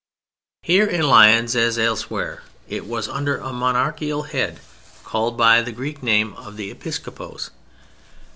Here in Lyons as elsewhere, it was under a monarchical head called by the Greek name of Episcopos.